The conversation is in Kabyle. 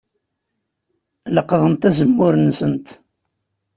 Leqḍent azemmur-nsent.